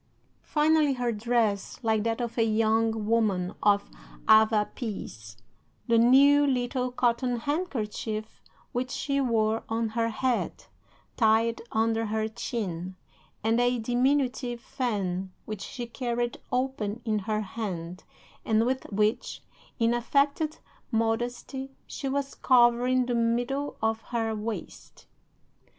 Finally, her dress, like that of a young woman of Avapies the new little cotton handkerchief which she wore on her head, tied under her chin, and a diminutive fan which she carried open in her hand, and with which, in affected modesty, she was covering the middle of her waist.